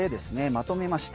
まとめました。